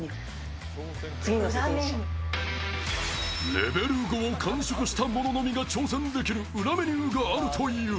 レベル５を完食した者のみが挑戦できる、裏メニューがあるという。